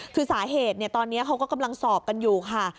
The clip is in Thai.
คือสาเหตุตอนนี้เขาก็กำลังสอบกันอยู่ค่ะ